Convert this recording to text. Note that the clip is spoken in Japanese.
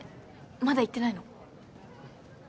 まだ言ってないの？